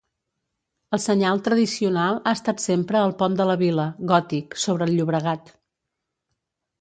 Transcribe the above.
El senyal tradicional ha estat sempre el pont de la Vila, gòtic, sobre el Llobregat.